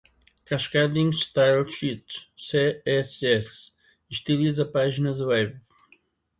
Cascading Style Sheets (CSS) estiliza páginas web.